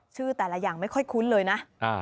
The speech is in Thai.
ชื่อแต่ละอย่างไม่ค่อยคุ้นเลยนะ